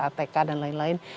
atk dan lain lain